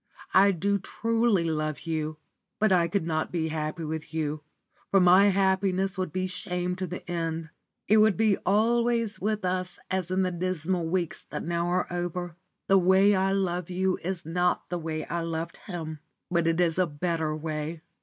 I do truly love you, but I could not be happy with you, for my happiness would be shame to the end. It would be always with us as in the dismal weeks that now are over. The way I love you is not the way I loved him, but it is a better way.